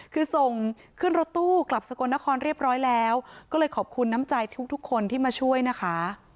คือส่งขึ้นรถตู้กลับสกลนครเรียบร้อยแล้วก็เลยขอบคุณน้ำใจทุกคนที่มาช่วยนะคะ